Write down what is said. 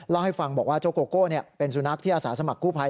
เล่าให้ฟังบอกว่าเจ้าโกโก้เป็นสุนัขที่อาสาสมัครกู้ภัย